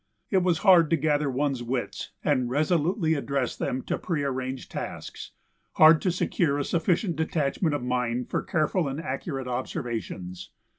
It was hard to gather one's wits and resolutely address them to prearranged tasks; hard to secure a sufficient detachment of mind for careful and accurate observations.